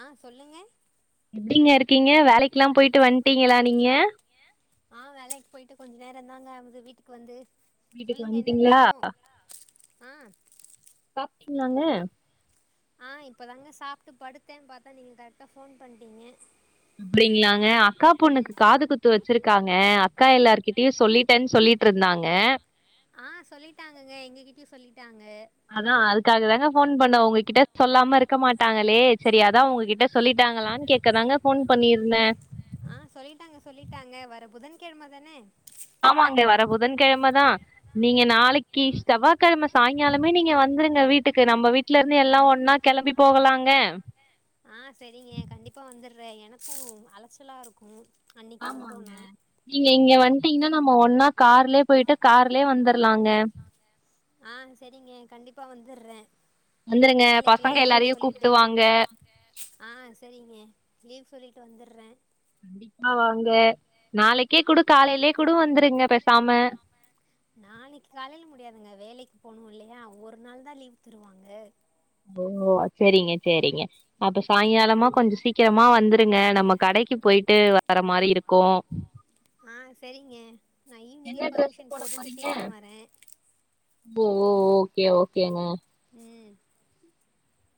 ஆஹ் சொல்லுங்க எப்டிங்க இருக்கீங்க வேலைக்கெலாம் போயிட்டு வந்ட்டீங்களா நீங்க ஆஹ் வேலைக்கு போயிட்டு கொஞ்ச நேர தாங்க ஆவுது வீட்டுக்கு வந்து வீட்டுக்கு சொல்லுங்க என்ன வந்ட்டீங்ளா விஷயம் ஆ இருக்கீங்கலாங்க ஆஹ் இப்பதாங்க சாப்ட்டு படுத்தேன் பார்த்தா நீங்க கரெக்டா போன் பண்டிங்க அப்டிங்களாங்க அக்கா பொண்ணுக்கு காது குத்து வச் வச்சிருக்காங்க அக்கா எல்லார்கிட்டயு சொல்லிட்டேன் சொல்லிட்டுருந்தாங்க ஆஹ் சொல்லிட்டாங்கங்க எங்ககிட்டயு சொல்லிட் அதான் அதுக்காக தாங்க போன் பண்ண உங்ககிட்ட சொல்லாம இருக்க மாட்டாங்களே செரி அதா உங்ககிட்ட சொல்லிட்டாங்களான் கேக்கதாங்க போன் பண்ணிருந்தே ஆஹ் சொல்லிட்டாங்க சொல்லிட்டாங்க வர புதன்கிழமை தானே ஆமாங்க வர புதன்கிழமதான் நீங்க நாளைக்ககி செவ்வகிழம சாய்ங்காலமே நீங்க வந்துருங்க வீட்டுக்கு நம்ம வீட்டு்லருந்தே எல்லா ஒன்னா கிளம்பி போகலாங்க ஆஹ் செரிங்க கண்டிப்பா வந்துடுற்றே எனக்கு அலைச்சலா இருக்கு ஆமாங்க நீங்க இங்க வந்துட்டீங்கன்னா நம்ம ஒன்னா கார்லே போயிட்டு கார்லேவந்துர்லாங்க ஆஹ் செரிங்க கண்டிப்பா வந்துற்றே வந்துருங்க பசங்க எல்லாரையு கூப்ட்டுவாங்க ஆ சரிங்க லீவ் சொல்லிட்டு வந்துற்றே கண்டிப்பா வாங்க நாளைக்கே கூட காலையிலயே கூட வந்துருங்க பேசாம நாளைக்கு காலையில முடியாதுங்க வேலைக் போனும் இல்லையா ஒரு நாள் தா லீவ் தருவாங்க ஓ செரிங்க செரிங்க அப்ப ம் சாய்ங்காலமா கொஞ்ச சீக்கிரமா வந் இருங்க நம்ம கடைக்கி போயிட்டு வர மாரி இருக்கோ ஆஹ் செரிங்க நா ஈவி்னிங்கே என்ன ட்ரெஸ் பர்மிஷன் போட போட்டுட்டு போறீங்க சீக்கிர வரே ஓ ஓ ஓகே ஓகேங்க ம்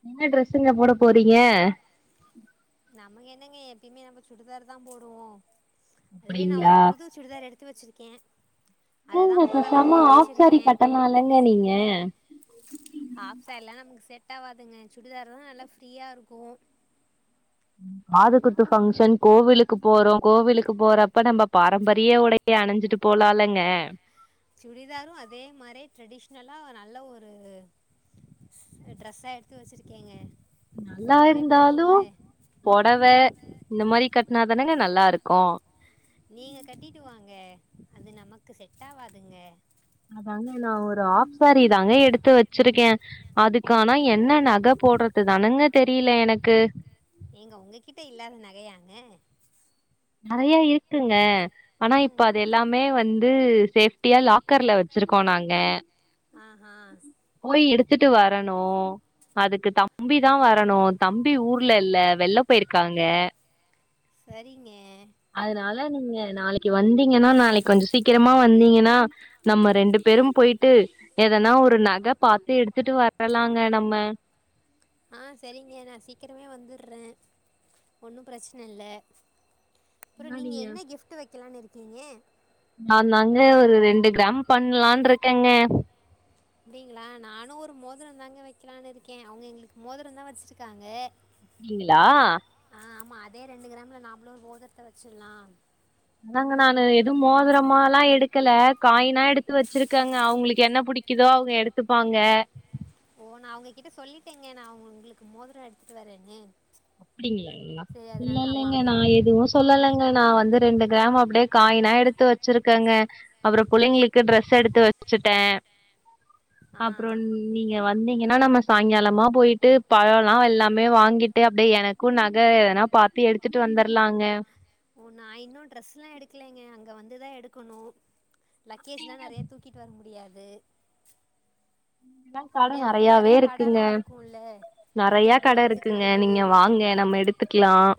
என்ன டிரெஸ்ங்க போட போறீங்க நம்ம என்னங்க எப்பயுமே நம்ம சுடிதார்தா போடுவோ அது நா ஒரு அப்டிங்களா புது சுடிதார் எடுத்து வச்சிருக் க்கே ஏங்க பேசாம ஆஃப் சாரி கட்டலாலங்க நீங்க ஹாஃப் சாரிலா நமக்கு செட் ஆவாதுங்க சுடிதார்தா நல்லா ஃப்ரீயா இருக்கு ம் காது குத்து பங்க்ஷன் கோவிலுக்கு போறோ கோவிலுக்கு போறப்ப நம்ம பாரம்பரிய உடைய அணிஞ்சிட்டு போலாலங்க சுடிதாரும் அதே மாரி ட்ரெடிஷனலா நல்ல ஒரு ட்ரெஸ்ஸா எடுத்து வச்சிருக்கேங்க நல்லா இருந்தாலும் புடவ இந்த மாரி கட்டினாதானேங்க நல்லா இருக்கும் நீங்க கட்டிட்டு வாங்க அது நமக்கு செட் ஆவாதுங்க அதாங்க நான ஒரு ஆப்சாரி தாங்க எடுத்து வச்சிருக்கேன் அதுக்கானா ஓ என்ன நக போடுறது தானுங்க தெரிய புரியல எனக்கு ஏங்க உங்ககிட்ட இல்லாத நகையாங்க நெறையா இருக்குங்க ஆனா இப்ப ம் அது எல்லாமே வந்து சேஃப்டியா லாக்கர்ல வச்சிருக்கோம் நாங்க ஆ ஹா போய் எடுத்துட்டு வரணு அதுக்கு தம்பிதா வரணு தம்பி ஊர்ல இல்ல வெளில போயிருக்காங்க சரிங்க அதனால நீங்க நாளைக்கு வந்தீங்கன்னா நாளைக்கு கொஞ்சம் சீக்கிரமா வந்தீங்கன்னா நம்ம ரெண்டு பேரும் போயிட்டு எதனா ஒரு நகை பாத்து எடுத்துட்டு வரலாங்க நம்ம ஆஹ் சரிங்க நா சீக்கிரமே வந்து ட்றேன் ஒண்ணும் பிரச்சன இல்ல அப்புற நீங்க என்ன கிஃப்ட் வைக்கலாம்னு இருக்கி க்கீங்க நான்தாங்க ஒரு ரெண்டு கிராம் பண்லானு இருக்கேங்க அப்டிங்களா நானு ஒரு மோதிரம்தாங்க வைக்கலாம்னு இருக்கேன் அவங்க எங்களுக்கு மோதிரம்தா வச்சிருக்காங்க அப்டிங்களா ஆமா அதே ரெண்டு கிராம்ல நாமலு ஒரு மோதிரத்த வச்சிடலாம் அதாங்க நானு எதுவும் மோதிரமாலா எடுக்கல காயினா எடுத்து வச்சிருக்கேங்க அவங்களுக்கு என்ன பிடிக்குதோ அவங்க எடுத்துப்பாங்க ஓ நா அவங்ககிட்ட சொல்லிட்டேங்க நா அவங்க உங்களுக்கு மோதரோ எடுத்துட்டு வரேன்னு அப்டிங்களாங்களா சரி இல்ல அதனால ஆமா இல்லங்க நான எதுவும் சொல்லங்க நான் வந்து ரெண்டு கிராம் அப்டியே காயினா எடுத்து வச்சிருக்கங்க அப்ற பிள்ளைங்களுக்கு ட்ரெஸ் எடுத்து வச்சுட்டேன் ஆ அப்றோ ந் நீங்க வந்தீங்கன்னா நம்ம சாய்ங்காலமா போயிட்டு பழலாலாம் எல்லாமே வாங்கிட்டு அப்டியே எனக்கும் நகை எதனா பாத்து எடுத்துட்டு வந்துர்லாங்க ஓ நான் இன்னும் ட்ரெஸ்லா எடுக்கலைங்க அங் அங்க வந்துதா எடுக்கணு லக்கேஜ்லாம் நெறையா தூக்கிட்டு வர முடியாது கடை அப்டியே அங்கேயே நறையாவே நெறைய இருக்குங்க கடலா இருக்குல்ல நறைய அங்கேயே அப்டியே கடை இருக்குங்க எடுத்துக்கலானுங்க நீங்க வாங்க நம்ம எடுத்துக்கலாம்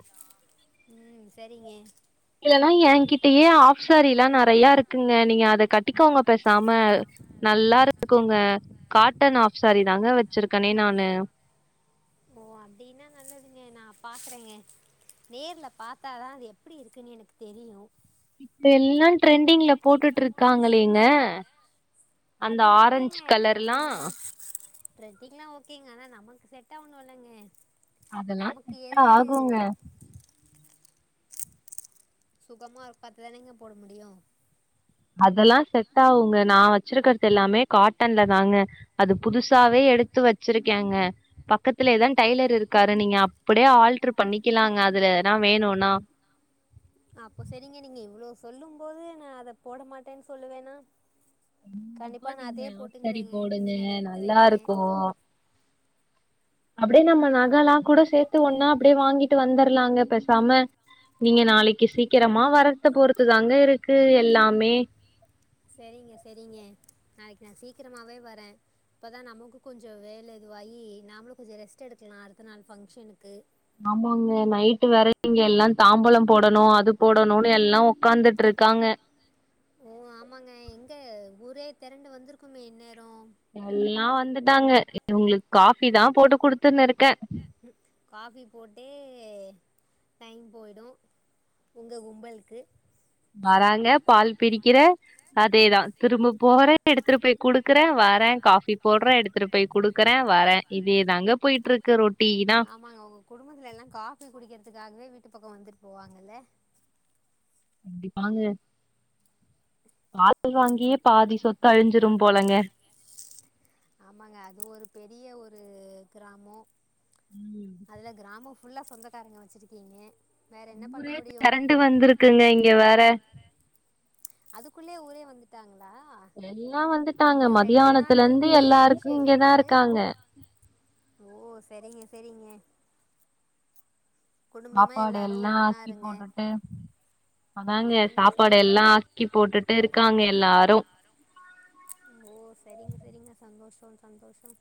உம் சரிங்க இதெல்லாம் என்கிட்டயே ஆஃப் சாரி எல்லாம் நறைய இருக்குங்க நீங்க அத கட்டிக்கவங்க பேசாம நல்லா இரு இருக்குங்க காட்டன் ஆஃப் சாரி தாங்க வச்சிருக்கேனே நானு ஓ அப்படின்னா நல்லதுங்க நான் பாக்குறேங்க நேர்ல பாார்த்தாதான் அது எப்படி இருக்குன்னு எனக்கு தெரியும் இப்ப எல்லாம் ட்ரெண்டிங்ல போட்டுட்டு இருக்காங்களேங்க அந்த அது ஓகேங்க ஆரஞ்ச் கலர்லாம் ட்ரெண்டிங்லா ட்ரெண்டிங்லா ஓகேங்க ஆனா நமக்கு செட் ஆகணும் இல்லங்க அதெல்லாம் செட்டா ஆகுங்க சுகமா ஒரு பத்துதானேங்க போட முடியும் அதெல்லாம் செட் ஆவுங்க நான் வச்சிருக்கறிறது எல்லாமே காட்டன்ல தாங்க அது புதுசாவே எடுத்து வச்சுருக்கேங்க பக்கத்துலேதான் டைலர் இருக்காரு நீங்க அப்படியே ஆல்டரு பண்ணிக்கலாங்க அதுலனா வேணும்னா அப்போ சரிங்க நீங்க இவ்வளவு சொல்லும் போது நான் அத போட மாட்டேன்னு சொல்லுவேனா கண்டிப்பா நா நீங்க அதே ஆஃப் சரி போட்டுங்கிறேங்க போடுங்க நீங்க அத எடுத்து நல்லா வைங்க இருக்கும் அப்படியே நம்ம நகாலா கூட சேர்த்த ஒன்னா அப்படியே வாங்கிட்டு வந்துர்லாங்க பேசாம நீங்க நாளைக்கு சீக்கிரமா வரறத பொருத்து தாங்க இருக்கு எல்லாமே சரிங்க சரிங்க நாளைக்கு நான் சீக்கிரமாவே வரேன் இப்போதான் நமக்கும் கொஞ்சம் வேலை எதுவாகி நாமளும் கொஞ்சம் ரெஸ்ட் எடுக்கலாம் அடுத்த நாள் ஃபங்க்ஷனுக்கு ஆமாங்க நைட்டு வற இங்க எல்லாம் தாம்பழம் போடணும் அது போடணும்னு எல்லாம் உக்காரத்துட்டு இருக்காங்க ஓ ஆமாங்க எங்க ஊரே திரண்டு வந்திருக்குமே என்ன தாங்க உங்களுக்கு காபி தான் போட்டு குடுத்துன்னு இருக்கேன் காபி போட்டே டைம் போயிடும் உங்க கும்பலுக்கு வராங்க பால் பிடிக்கிற அதேதான் திரும்ப போறன் எடுத்துட்டு போய் குடுக்குறேன் வரேன் காபி போடுறேன் எடுத்துட்டு போய் குடுக்குறேன் வரேன் இதேதாங்க போயிட்டு இருக்கு ரொட் ஆமாங்க உங்க குடும்பத்துல எல்லாம் காபி குடிக்கிறது த்துக்காகவே வீட்டு பக்கம் வந்துட்டு போவாங்கல்ல கண்டிப்பாங்க பால் வாங்கியே பாதி சொத்து அழிஞ்சிரும் போலங்க ஆமாங்க அது ஒரு பெரிய ஒரு கிராமோ ம். அதுல கிராம ஃபுல்லாக சொந்தக்காரங்க வச்சுருக்கீங்க வேறு என்ன பண்ண ஊரே முடியும் தெரண்டு வந்திருக்குங்க இங்க வேற அதுக்குள்ளயே ஊரே வந்துட்டாங்க எல்லாம் வந்துட்டாங்க நாள் மதியானத்துல இருந்து இருக்குது எல்லாருக்கும் இங்கதான் விசேஷத்துக்கு இருக்காங்க ஓ சரிங்க சரிங்க குடும்பமாக சாப்பாடு எல்லாரும் எல்லாம் ஒன்றா ஆக்கி இருங்க போட்டுட்டு அதாங்க ம் சாப்பாடு சரிங்க எல்லாம் அக்கி போட்டுட்டு இருக்காங்க எல்லாரும் ஓ சரிங்க சரிங்க சந்தோஷம் சந்தோஷம்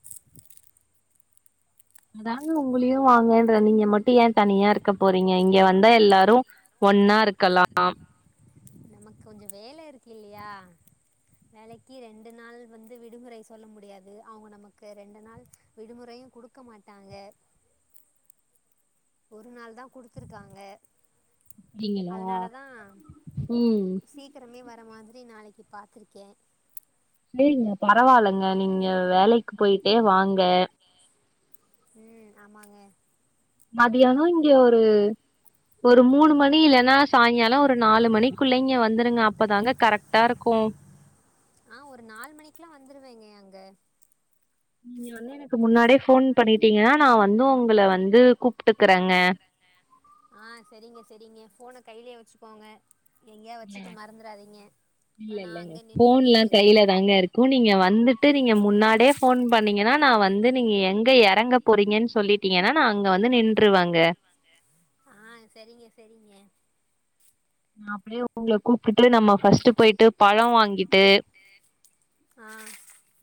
அதாங்க உங்களையும் வாங்கன்ற நீங்க மட்டும் ஏன் தனியா இருக்க போறீங்க இங்க வந்தா எல்லாரும் ஒன்னா இருக்கலாம் நமக்கு கொஞ்சம் வேலை இருக்கு இல்லையா வேலைக்கு ரெண்டு நாள் வந்து விடுமுறை சொல்ல முடியாது அவங்க நமக்கு ரெண்டு நாள் விடுமுறையும் குடுக்க மாட்டாங்க ஒரு நாள் தான் குடுத்துருக்காங்க அப்டிங்களா? அதனாலதான் ம். சீக்கிரமே வர அத மாதிரி நாளைக்கு பாத்துருக்கேன் சரிங்க பரவாயில்லைங்க நீங்க வேலைக்கு போயிட்டே வாங்க ம் ஆமாங்க மதியானம் இங்க ஒரு ஒரு மூணு மணி இல்லன்னா சாயங்காலம் ஒரு நாலு மணிக்குள்ள இங்க வந்துருங்க அப்பதாங்க கரெக்டா இருக்கும் ஆ ஒரு நாலு மணிக்கு எல்லாம் வந்துருவேங்க அங்க நீங்க வந்து எனக்கு முன்னாடியே போன் பண்ணிட்டிங்கன்னா நான வந்து உங்கள வந்து கூப்பிட்டுக்கறேங்க ஆ சரிங்க சரிங்க போன கையிலயே வச்சுக்கோங்க எங்கேயா இல்ல வச்சுட்டு மறந்துடாதீங்க இல்ல அப்புறம் நான் இல்லங்க அங்கே போன் நின்றுக்கிட்டு எல்லாம் கையில தாங்க இருக்கும் நீங்க வந்துட்டு நீங்க முன்னாடே போன் பண்ணீங்கன்னா நான வந்து நீங்க எங்க இறங்க போறீங்கன்னு சொல்லிட்டிங்கன்னா நான அங்க வந்து நின்றுருவாங்க ஆ செரிங்க செரிங்க நான் அப்டியே உங்களை கூப் நம்மபஸ்ட் போயிட்டு பழம் வாங்கிட்டு ஆ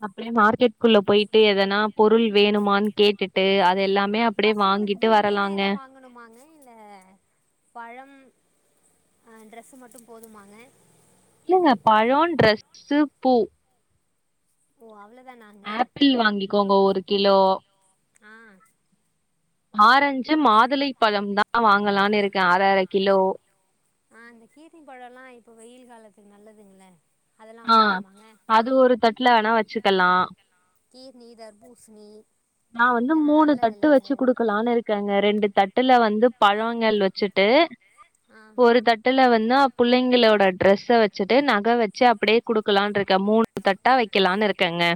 அப்டியே மார்கெட் குல்ல போயிட்டு எதனா பொருள் வேணுமான்னு கேட்டுட்டு எல்லாமே ஆ அப்டியே பசங்களுக்கு வாங்கிட்டு பொம்மையன்ன வரலாங்க ஏதான் வாங்கணுமாங்க இல்ல பழம் அ டிரஸ்மட்டும் போதுமாங்க இல்லங்க பழம் டெரஸ் பூ ஓ அவள ஆப்பிள் வாங்கிக்கோங்க ஒரு கிலோ ஆ ஆரஞ்சு மாதுளை பழம் தான் வாங்கலான்னு இருக்கேன் அர அர கிலோ ஆ அந்த கீருனி பழம் எல்லாம் இப்ப வெயில் காலத்துக்கு நல்லதுங்கள அதெல்லா ஆ வாங்கலாமாங்க அது ஒரு தட்டுல வேணா வச்சு எல்லாம் எல்லாம் கீர்னி தர்பூசணி நான வந்து இதெல்லா மூணு நல்லது தட்டு இல்லங்க வச்சு குடுக்கலான்னு இருக்கேங்க ரெண்டு தட்டுல வந்து பழங்கள் வச்சுட்டு ஆ ஒரு தட்டுல வ நா புள்ளைங்களோட ட்ரெஸ்ஸ வச்சுட்டு நகை வச்சு அப்டியே குடுக்கலாம்னு இருக்கேன் மூணு தட்டா வைக்கலாம்னு இருக்கேங்க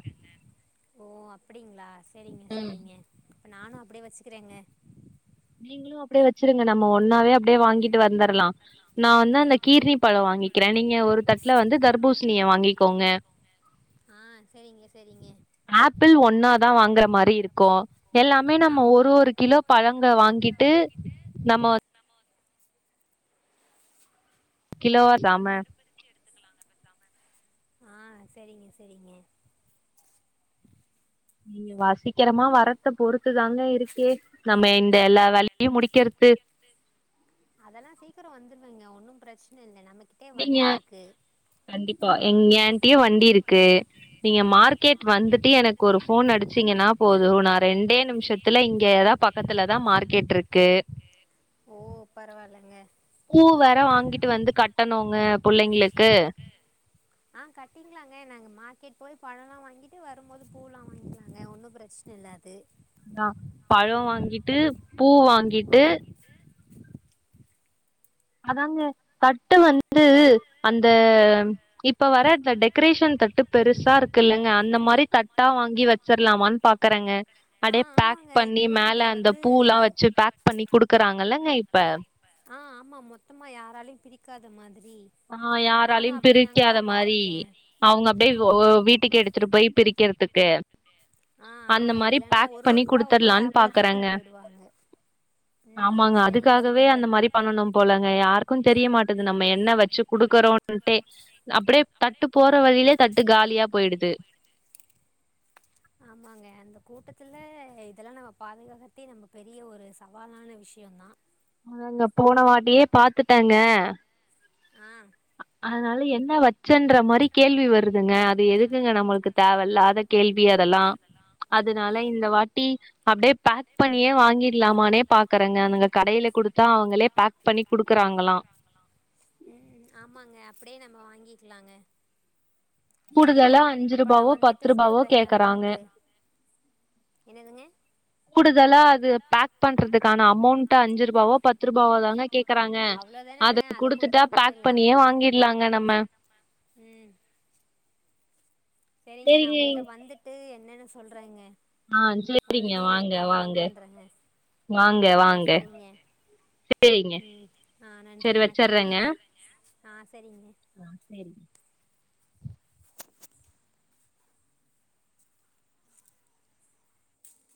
ஓ அப்டிங்களா செரிங்க ம். செரிங்க நானும் அப்டியே வச்சுக்கிறேங்க நீங்களும் அப்டியே வ வச்சிருங்க நம்ம ஒன்னாவே அப்டியே வாங்கிட்டு வந் கீர்ணி பழம் வாங்கிக்கிறேன் நீங்க ஒரு தட்டுல வந்து தர்பூசணிய வாங்கிக்கோங்க ஆ செரிங்க செரிங்க ஆப்பிள் ஒன் ன்ன தான் வாங்குற மாரி இருக்கும் எல்லாமே நம்ம ஆமா ஒரு ஒரு கிலோ பழ வாங்கிட்டு நம்ம கிலோ தம ஆ செரிங்க செரிங்க நீங்க வாசிக்கிறமா வா எடத்த பொறுத்துதாங்க இருக்கு நம்ம இந்த எல்லா வேலையும் முடிக்கிறது அதெல்லா சீக்கிரோ வந்துருவேங்க ஒன்னு பிரச்சன இல் நீங்க கண்டிப்பா எங்க ஆன்டியு வண்டி இருக்கு நீங்க மார்க்கெட் வந்துட்டு எனக்கு ஒரு ஃபோன் அடிச்சீங்கன்னா போதும் நா ரெண்டே நிமிஷத்துல இங்கேதா பக்கத்துலதா மார்க்கெட் இருக்கு ஓ பரவால்லங்க பூ வேற வாங்கிட்டு வந்து கட்டணுங்க புள்ளைங்களுக்கு ஆஹ் கட்டிக்கலாங்க நாங்க மார்க்கெட் போய் பழோல்லா வாங்கிட்டு வரும் போது பூல்லாம் வாங்கிக்கலாங்க ஒன்னும் பிரச்சனை இல்ல அது ஆ பழோ வாங்கிட்டு பூ வாங்கிட்டு அதாங்க தட்டு வந்து அந்த இப்ப வர அந்த டெக்கரேஷன் தட்டு பெருசா இருக் க்கு இல்லங்க அந்த மாரி தட்டா வாங்கி வச்சிரலாமானு பாக்கறங்க ஆ அப்டியே பேக் ஆமாங்க பண்ணி இப்பல்லா அதுல மேல அந்த வந்து பூ எல்லாம் வச்சு பேக் பண்ணி குடுக்கறாங்கல்லங்க ப்ப ஆஹ் ஆமா மொத்தமா யாராலையும் பிரிக்காத மாதி ஆஹ் யாராலயும் பிரிக்காத மாரி பாத்துட்ருக்கே அவங்க அப்டியே வீட்டுக்கு எடுத்துட்டு போய் பிரிக்கிறதுக்கு ஆ அந்த ஆமாங்க மாரி இல்லன்னா பேக் ஒரு பண்ணி ஒருத்தரா ஒரு ஒரு குடுத்தடலானு ஆப்பிள தூக்கிட்டு பாக்குறங்க போயிடுவாங்க ம் ஆமாங்க சரிங்க அதுக்காகவே சரிங்க அந்த மாரி பண்ணனும் போலங்க யாருக்கும் தெரிய மாட்டது நம்ம என்ன வச் குடுக்கறவங்கிட்டே அப்டியே தட்டு போற வழியிலே தட்டு காலியா போயிடுது ஆமாங்க அந்த கூட்டத்துல இதெல்லா நம்ம பாதுகாககத்தே நம்ம பெரிய ஒரு சவாலான விஷயோந்தா அதாங்க போன வாட்டியே பாத்துட்டங்க ஆஹ் அதனால என்ன வச்சன்ற மாரி கேள்வி வருதுங்க அது எதுக்குங்க நம்மளுக்கு தேவையில்லாத கேள்வி [unintelligible] அதெல்லா அத நா ல்ல இந்த வாட்டி அப்டியே பேக் பண்ணியே வாங்கிடலாமே பாக்குறேங்க அங்க கடையில கொடுத்தா அவங்களே பேக் பண்ணி குடுக் க்றாங்களா ம் ஆமாங்க அப்படியே நம்ம வாங்கிக்கலாங்க சரிங்க கூடுதலா அஞ்சு அப்ப நான் ரூபாவோ வந்துட்டு பத்து ரூபாவோ சொல்றேங்க கேக்குறாங்க உங்களுக்கு என்னதுங்க கூடுதலா அது பேக் பண்றதுக்கான அமௌண்ட் அஞ்சு ரூபாவோ பத்து ரூபாவோ தாங்க கேக்கறாங்க அவ்ளோதானங்க அத குடுத்துட்டா குடுத்துட்டு பேக் போயிடலா பண்ணியே வாங்கிடலாங்க நம்ம ம் சரிங்க நான் சேரிங்க உங்கள்ட்ட வந்துட்டு என் என்னென்ன சொல்றாங்க ஆ சேரிங்க வந்துட்டு வாங்க உங்களுக்கு நான் ஃபோன் வாங்க பண்றேங்க வாங்க ஆஹ் வாங்க சரிங்க சேரிங்க ம் ஆஹ் நன்றி வணக்கம்ங்க ஆ சரிங்க ஆஹ் செரி